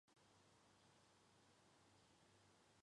其北端为贝洛特海峡。